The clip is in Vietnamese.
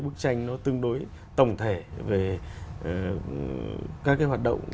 bức tranh nó tương đối tổng thể về các cái hoạt động